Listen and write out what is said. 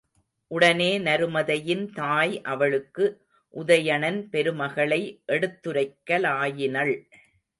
உடனே நருமதையின் தாய் அவளுக்கு உதயணன் பெருமைகளை எடுத்துரைக்கலாயினள்.